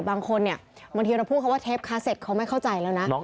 บางคนบางทีจะพูดว่าเทปคาเซตเขาไม่เข้าใจแล้วนะ